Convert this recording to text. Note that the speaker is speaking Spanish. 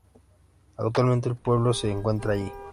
Actualmente el pueblo se encuentra allí.